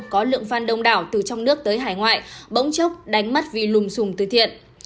có lượng fan đông đảo từ trong nước tới hải ngoại bỗng chốc đánh mất vì lùm xùng thừa thiện